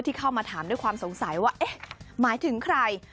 เข้ามาถามด้วยความสงสัยว่าเอ๊ะหมายถึงใคร